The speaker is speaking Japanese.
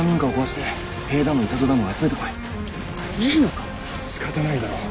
しかたないだろう。